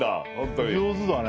上手だね。